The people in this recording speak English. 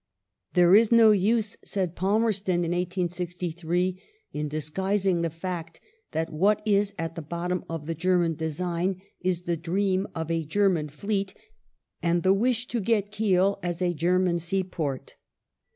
" There is no use," said Palmei*ston in 1863, " in disguising the fact that what is at the bottom of the German design ... is the dream of a German fleet and the wish to get Kiel as a German seaport.